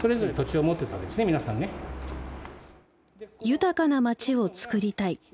豊かな街をつくりたい。